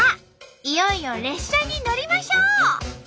いよいよ列車に乗りましょう！